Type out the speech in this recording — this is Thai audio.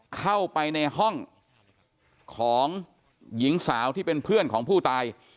เข้าไปในห้องของหญิงสาวที่เป็นเพื่อนของผู้ตาย